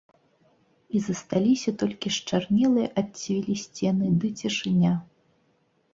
І засталіся толькі счарнелыя ад цвілі сцены ды цішыня.